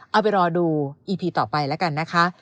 เอาไปรอดูอีพีต่อไปแล้วกันนะคะ